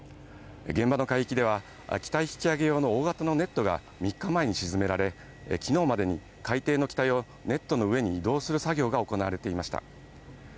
現場の海域では機体引き揚げ用の大型のネットが３日前に沈められ、昨日までに海底の機体をネットの上に移動する作業が行われていました。